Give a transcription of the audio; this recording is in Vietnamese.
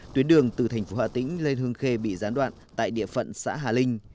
tuyến đường từ thành phố hà tĩnh lên hương khê bị gián đoạn tại địa phận xã hà linh